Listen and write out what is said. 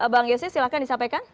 bang yose silahkan disampaikan